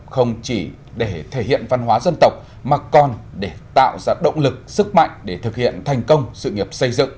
không chỉ để thể hiện văn hóa dân tộc mà còn để tạo ra động lực sức mạnh để thực hiện thành công sự nghiệp xây dựng